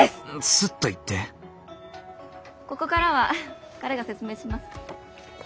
スッと言ってここからは彼が説明します。